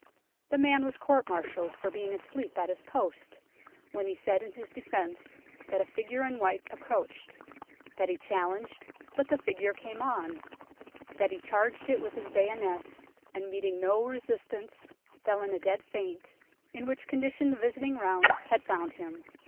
The man was court martialled for being asleep at his post, when he said in his defence that a figure in white approached ; that he challenged, but the figure came on ; that he charged it with his bayonet, and meeting no resistance fell in a dead faint, in which condition the visiting rounds had found him.